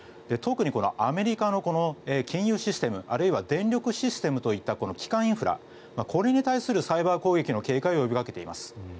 特に、アメリカの金融システムあるいは電力システムといった基幹インフラこれに対するサイバー攻撃の警戒を呼びかけています。